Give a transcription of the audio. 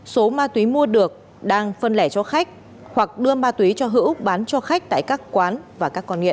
số ma túy mua được đang phân lẻ cho khách hoặc đưa ma túy cho hữu bán cho khách tại các quán và các con nghiện